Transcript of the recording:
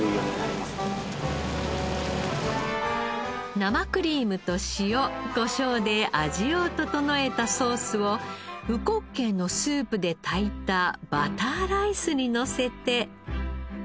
生クリームと塩こしょうで味を調えたソースをうこっけいのスープで炊いたバターライスにのせて。